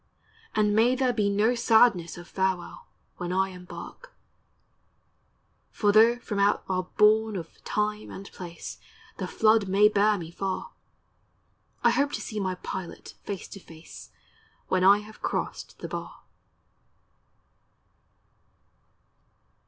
And may there be no sadness of farewell, When I embark ; For tho' from out our bourne of Time and Place The flood may bear me far, I hope to see my Pilot face to face When I have crossed the bar.